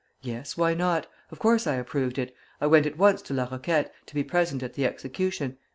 "'Yes; why not? Of course I approved it. I went at once to La Roquette, to be present at the execution.